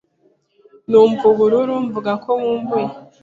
numva ubururu mvuga ko nkumbuye